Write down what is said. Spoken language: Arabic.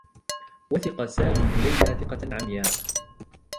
وثق سامي بليلى ثقة عمياء.